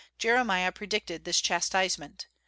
Jeremiah predicted this chastisement.